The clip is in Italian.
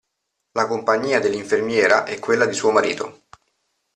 La compagnia dell'infermiera e quella di suo marito.